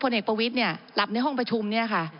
ผลเอกประวิทธิ์นี่หลับในห้องประทิมเนี่ยคะ